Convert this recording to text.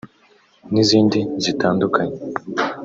n’izindi zitandukanye